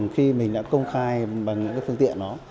khi mình đã công khai bằng những cái phương tiện đó